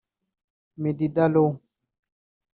Medida law